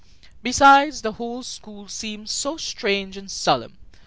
Besides, the whole school seemed so strange and solemn.